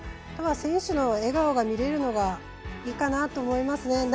あとは選手の笑顔が見れるのがいいかなと思いますね。